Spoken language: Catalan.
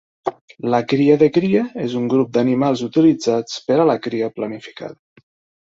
La cria de cria és un grup d'animals utilitzats per a la cria planificada.